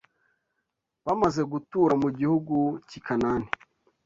Bamaze gutura mu gihugu cy’i Kanāni